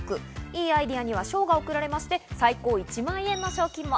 いいアイデアには賞が贈られて、最高１万円の賞金も。